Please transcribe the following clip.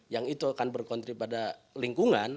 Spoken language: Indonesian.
yang itu akan berkontribusi lingkungan